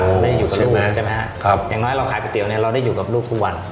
ไม่ได้อยู่กับลูกมาใช่ไหมครับอย่างน้อยเราขายก๋วเนี่ยเราได้อยู่กับลูกทุกวัน